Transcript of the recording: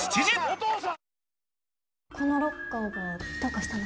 このロッカーがどうかしたの？